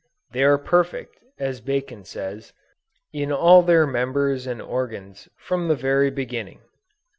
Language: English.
They are perfect, as Bacon says, in all their members and organs from the very beginning."